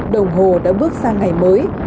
đồng hồ đã bước sang ngày mới